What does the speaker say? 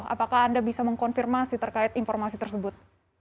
apakah anda bisa mengkonfirmasi terkait informasi tersebut